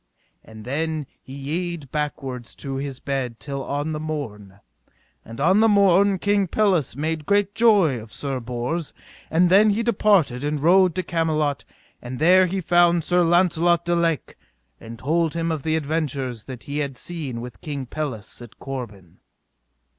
And then he yede backward to his bed till on the morn. And on the morn King Pelles made great joy of Sir Bors; and then he departed and rode to Camelot, and there he found Sir Launcelot du Lake, and told him of the adventures that he had seen with King Pelles at Corbin.